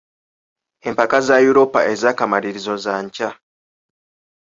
Empaka za Yuropa ez’akamalirizo za nkya.